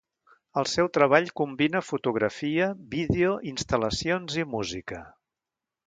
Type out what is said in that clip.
El seu treball combina fotografia, vídeo, instal·lacions i música.